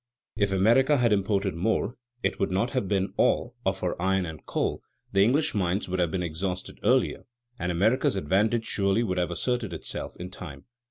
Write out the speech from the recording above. If America had imported more (it would not have been all) of her iron and coal, the English mines would have been exhausted earlier, and America's advantage surely would have asserted itself in time.